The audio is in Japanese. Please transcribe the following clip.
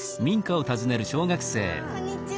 こんにちは。